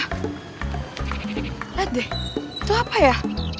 lihat deh itu apa ya